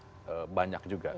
kerja pasaut kan sudah banyak juga